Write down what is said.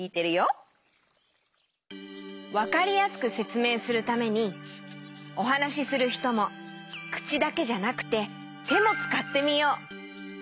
わかりやすくせつめいするためにおはなしするひともくちだけじゃなくててもつかってみよう。